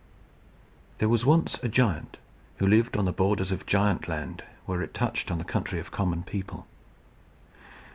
There was once a giant who lived on the borders of Giantland where it touched on the country of common people.